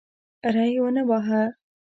ری ونه واهه.